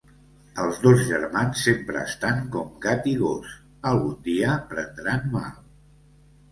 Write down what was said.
Els dos germans sempre estan com gat i gos. Algun dia prendran mal.